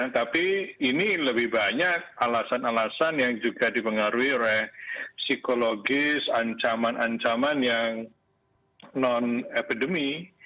tapi ini lebih banyak alasan alasan yang juga dipengaruhi oleh psikologis ancaman ancaman yang non epidemi